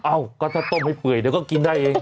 เอ้าก็ถ้าต้มให้เปื่อยเดี๋ยวก็กินได้เอง